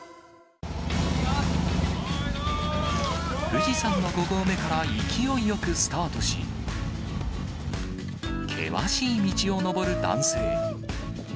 富士山の５合目から勢いよくスタートし、険しい道を登る男性。